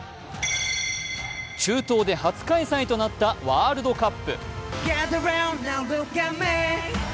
中東で初開催となったワールドカップ。